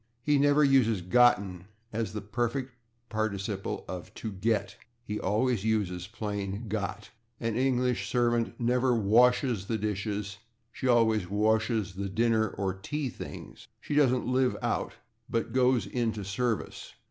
He never uses /gotten/ as the perfect participle of /get/; he always uses plain /got/. An English servant never washes the /dishes/; she always washes the /dinner/ or /tea things/. She doesn't /live out/, but /goes into service